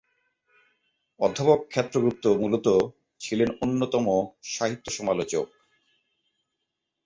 অধ্যাপক ক্ষেত্র গুপ্ত মূলতঃ, ছিলেন অন্যতম সাহিত্য সমালোচক।